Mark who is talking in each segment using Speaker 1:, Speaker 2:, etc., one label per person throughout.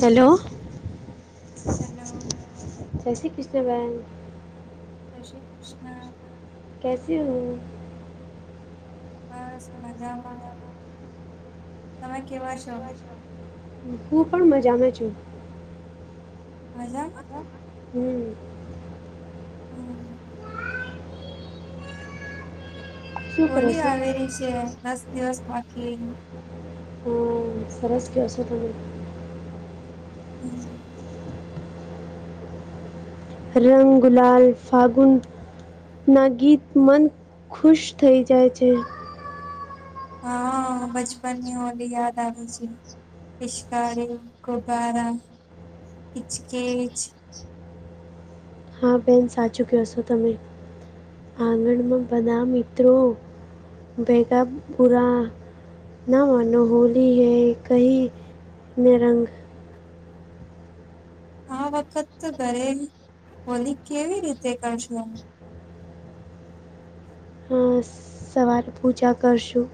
Speaker 1: Hello.
Speaker 2: Hello.
Speaker 1: જે શ્રી કૃષ્ણ બેન.
Speaker 2: જે શ્રી કૃષ્ણ.
Speaker 1: કેસે હો?
Speaker 2: બસ મજામાં. તમે કેવા છો?
Speaker 1: હું પણ મજામાં છું.
Speaker 2: મજામાં
Speaker 1: હમ.
Speaker 2: હમ.
Speaker 1: શું કરો
Speaker 2: હોલી
Speaker 1: છો
Speaker 2: આવેલી છે. દસ દિવસ બાકી.
Speaker 1: હમ, સરસ કયો સો તમે.
Speaker 2: હમ.
Speaker 1: રંગ, ગુલાલ, ફાગુન ના ગીત મન ખુશ થઈ જાય છે.
Speaker 2: હા બચપનની હોલી યાદ આવે છે. પિશકારી, ગુબારા, હિચકેચ.
Speaker 1: હા બેન સાચું ક્યોસો તમે! આંગણ ના બધા મિત્રો ભેગા પુરા ના માનો હોલી હૈ કહી ને રંગ
Speaker 2: આ વખત ઘરે હોલી કેવી રીતે કરશો?
Speaker 1: હ સવારે પૂજા કરશું.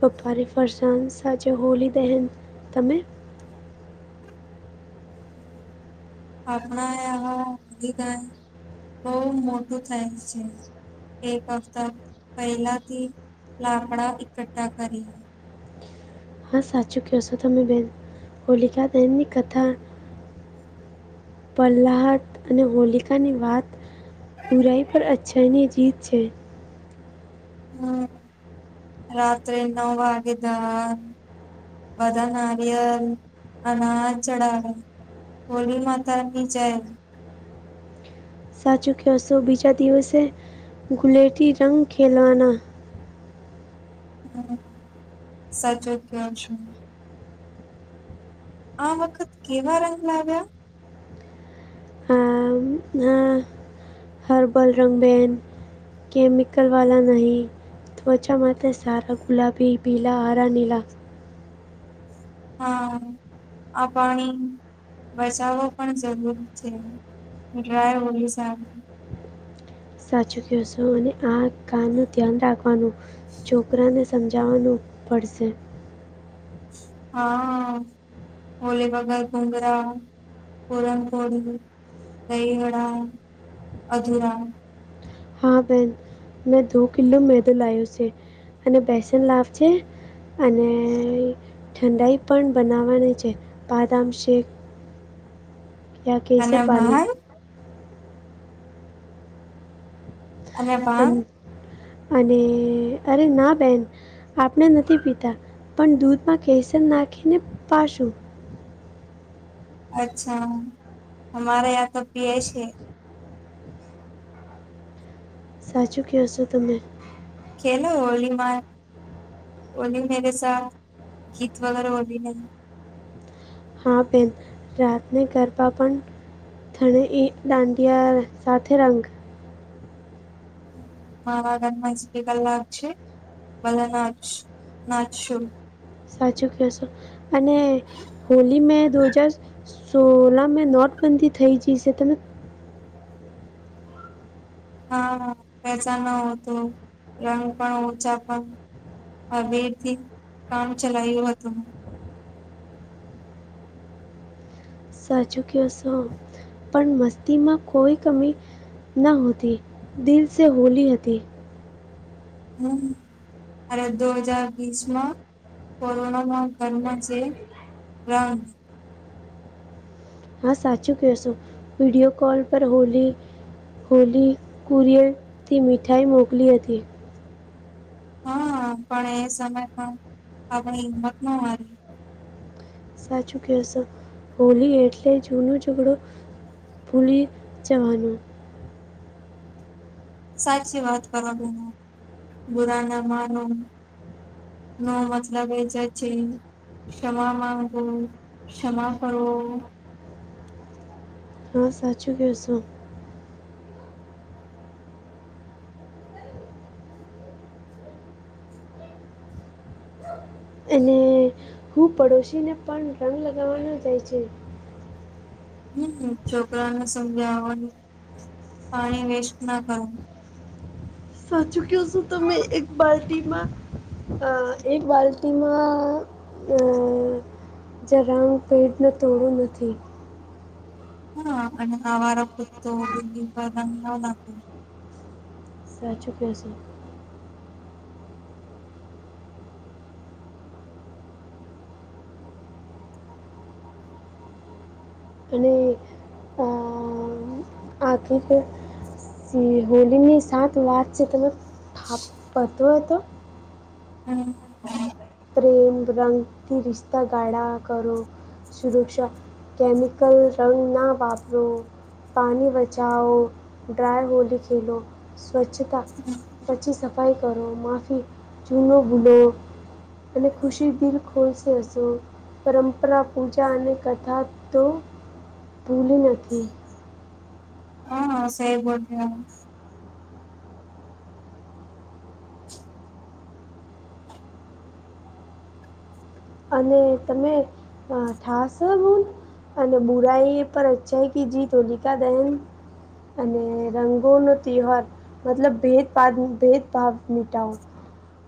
Speaker 1: બપોરે ફરસાણ, સાંજે હોળી દહેન. તમે?
Speaker 2: હમણાં હ હોલી દહન બહુ મોટું થાય છે. એક હફતા પહેલાથી લાકડા ઈકઠ્ઠા કરી...
Speaker 1: હા સાચું કેહશો તમે બેન હોલીકા દહન ની કથા... પ્રહલાદ અને હોલિકાની વાત. બુરાઈ પર અછાઈ ની જીત છે.
Speaker 2: હમ રાત્રે નવ વાગે તો... બધા નાારીયેલ અનાજ ચડાવે. હોલી માતા ની જય.
Speaker 1: સાચું કયોશો બીજા દિવસે ગુલેલથી રંગ ખેલવાના.
Speaker 2: હમ સાચું કેવો છો. આ વખત કેવા રંગ લાવ્યા?
Speaker 1: હામ હા... હર્બલ રંગ બેન કેમિકલ વાળા નહીં. ત્વચા માટે સારા ગુલાબી, પીલા, હરા, નીલા.
Speaker 2: હા. આ પાણી.... બચાવો પણ જરૂરી છે. ડ્રાય હોલી સારી.
Speaker 1: સાચું ક્યોસો અને આંખ કાન નું ધ્યાન રાખવાનું છોકરાને... સમજાવાનું પડશે.
Speaker 2: હા [unintelligible] પુરણપોળી, દહીવડા, અઝૂરા...
Speaker 1: હા બેન મેં દો કિલો મેદો લાયોસે અને બેસન લાવ જે... અને ઠંડાઈ પણ બનાવવાની છે. બાદામ શેક... કયા
Speaker 2: અને
Speaker 1: કેસર બાલી...
Speaker 2: ભાન
Speaker 1: અને અને અરે ના બેન. આપણે નથી પીતા પણ દુધ માં કેસર નાખીને પાશું.
Speaker 2: અચ્છા અમારે યા તો પિયે છે.
Speaker 1: સાચું કેવો છો તમે.
Speaker 2: [unintelligible] ઓલી મેરે સાત ગીત વગેરે ઓલી નહીં.
Speaker 1: હા બેેન રાતને ગરબા પણ... થણે એ દાંડિયા સાથે રંગ.
Speaker 2: મારા ઘરમાં જ [unintelligible] છે. બલા નાચ નાચશું.
Speaker 1: સાચું કયોશો અને હોલી મે દો હજાર... સોલા મેં નોટબંધી થઈ જઈ છે તમે...
Speaker 2: હા પૈસા નતું રંગ પણ ઓછા પણ... આ વેર થી કામ ચલાવી લેવાતું હતું.
Speaker 1: સાચુ કયોશો. પણ મસ્તીમાં કોઈ કમી ન હતી. દિલસે હોલી હતી.
Speaker 2: હમ. દો હજાર વીસમાં કોરોનામાં ઘરમાં જે.. [unintelligible]
Speaker 1: હા સાચું કયોશો વિડીયો કોલ પર હોલી... હોલી કુરીયરથી મીઠાઈ મોકલી હતી.
Speaker 2: હા પણ એ સમય પણ આપને હિંમત ન હારી.
Speaker 1: સાચું કહેશો હોલી એટલે જૂનો ઝઘડો ભૂલી જવાનું
Speaker 2: સાચી વાત કરવા બૂરા ના માનો ના મછલા બેચાય છે ક્ષમા માંગો ક્ષમા કરો
Speaker 1: હા સાચું કે છો અને હું પડોશીને પણ રંગ લગાવવાનો જાય છે
Speaker 2: હમ છોકરાને સમજાવવા પાણી વેસ્ટ ના કરો
Speaker 1: સાચું કયો છો તમે એક બાલ્ટીમાં હ એક બાલ્ટીમાં અ જ રંગ પેઢને તોડવું નથી.
Speaker 2: હા અને આવારો કુતો કૂટી [unintelligible]
Speaker 1: સાચું કો છો અને આખિર હોલીની સાત વાત છે તમે થાપ પર તું હતો
Speaker 2: હમ્મ. [inaudible]
Speaker 1: પ્રેમ રંગથી રિશ્તા ગાળા કરો સુરક્ષા કેમિકલ રંગ ના વાપરો પાણી બચાઓ ડ્રાય હોલી ખેલો સ્વચ્છતા પછી સફાઈ કરો માાફી ચૂનો ભૂલો અને ખુશી દિલ ખોલશે હશો પરંપરા પૂજા અને કથા તો ભૂલી નથી
Speaker 2: હા હા સે બોલ ના
Speaker 1: અને તમે અને ઠાસ હું અને બુરાઈ પર અછાઈ કી જીત હોલીકા દહેન અને રંગોનો તિવાર મતલબ ભેદભાદ ભેદભાવ મિટાવ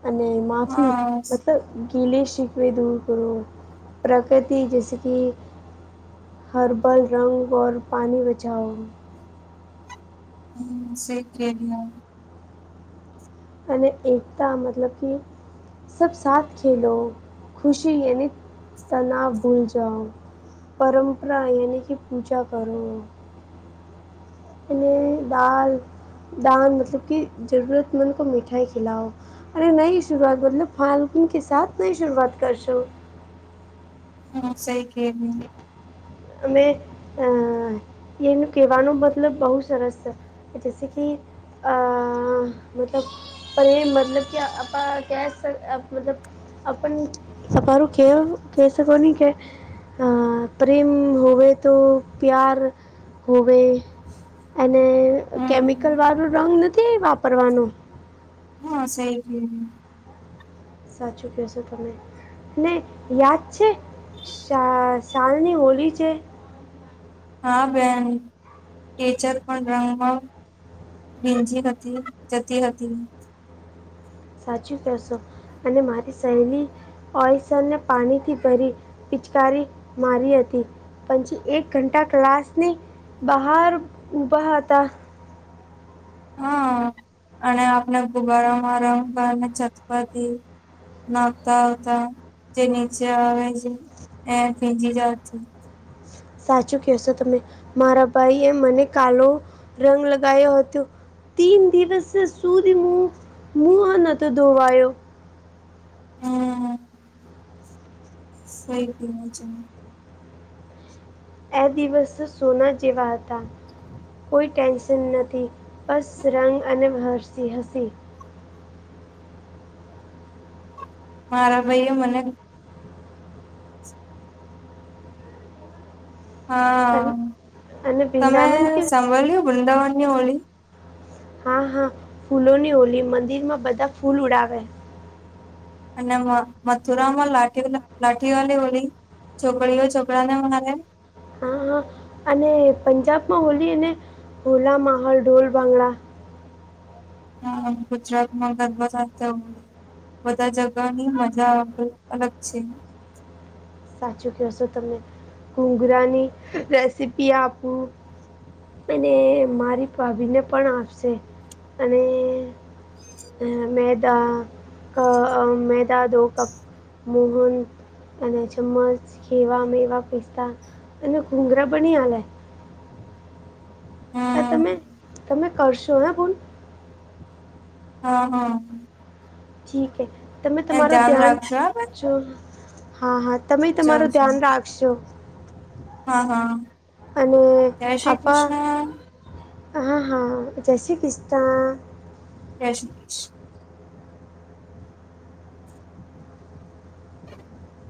Speaker 1: અને માફી
Speaker 2: હા.
Speaker 1: મતલબ ગીલે શી ભઈ દૂર કરો પ્રગતિ જીસકી હર્બલ રંગ ઓર પાણી બચાઓ
Speaker 2: હમ્મ શેખ ખેલી અમ
Speaker 1: અને એકતા મતલબ કે સબ સાથ ખેલો ખુશી યાની તનાવ ભૂલ જાઓ પરંપરા યાની કે પૂજા કરો અને દાળ દાન મતલબ કે જરૂરતમંદ કો મીઠાઈ ખીલાઓ અરે નઈ શરૂઆત મતલબ ફાળગૂન કે સાથ નઈ શરૂઆત કરશો
Speaker 2: હમ્મ શઈ કેવી
Speaker 1: અમે અ એનું કેવાનો મતલબ બહુ સરસ છે જેસી કે હ મતલબ પરેમ મતલબ કે આપ ક મતલબ આપન સફારી કેમ કહી શકોને કે અ પ્રેમ હોવે તો પ્યાર હોવે અને
Speaker 2: હો હમ.
Speaker 1: કેમિકલવાળું રંગ નથી વાપરવાનો
Speaker 2: હા સે જ ને
Speaker 1: સાચું કયો છો તમે ને યાદ છે શા શાલની હોલી જે
Speaker 2: હા બેન ટીચર પણ રંગમાં ભીંજી હતી જતી હતી
Speaker 1: સાચું કહેશો અને મારી સહેલી ઓઈસરને પાણીથી ભરી પિચકારી મારી હતી પછી એક ઘંટા ક્લાસની બહાર ઉભા હતા
Speaker 2: હાં અને આપણે ગુબારામાં રમવા ને છત પરથી નાખતા આવતા જે નીચે આવે છે એ ફીજી [unintelligible]
Speaker 1: સાચું કયો સો તમે મારા ભાઈ એ મને કાલો રંગ લગાયો હતુ તીન દિવસ સુધી મું મુંહ નહતો ધોવાયો
Speaker 2: હા સહી કયો છો
Speaker 1: એ દિવસ સોના જેવા હતા કોઈ ટેન્શન નથી બસ રંગ અને હર્ષથી હસી
Speaker 2: મારા ભઈએ મને
Speaker 1: અન-
Speaker 2: હાં
Speaker 1: અને
Speaker 2: તમે
Speaker 1: વૃંદાવન કે
Speaker 2: સાંભલ્યુ વૃંદાવનની હોલી
Speaker 1: હાં હાં ફૂલોની હોલી મંદિરમાં બધા ફૂલ ઉડાવે
Speaker 2: અને મ મથુરામાં લાઠી લાઠીવાલી હોલી છોકરીઓ છોકરાને મારે
Speaker 1: હાં હાં અને પંજાબમાં હોલી અને હોલા માહોલ ઢોલ ભાંગડા
Speaker 2: હાં ગુજરાતમાં ગરબા સાથે બધા જગાની [unintelligible] અલગ છે
Speaker 1: સાચું કયો શો તમે ઘુંઘરાની રેસીપી આપું અને મારી ભાભીને પણ આપશે અને હ મેંદા અ મેંદા દો કપ મોહન અને જ ચમચ ખેવા મેવા પીસ્તા અને ઘૂંઘરા બની આલે આ
Speaker 2: હમ
Speaker 1: તમે તમે કરશો હેં બુન
Speaker 2: હાં હાં
Speaker 1: ઠીક હે તમે તમારું ધ્યાન
Speaker 2: રાખજો હા બેન
Speaker 1: જો હાં હાં તમે
Speaker 2: જય
Speaker 1: તમારું
Speaker 2: જય
Speaker 1: ધ્યાન રાખશો
Speaker 2: હા હા
Speaker 1: અને
Speaker 2: જય શ્રી
Speaker 1: આપા
Speaker 2: કૃષ્ણ
Speaker 1: હાં હાં જે સી ક્રિષ્ના
Speaker 2: જે શી [unintelligible] [unintelligible]